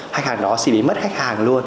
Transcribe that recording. khách hàng đó sẽ bị mất khách hàng luôn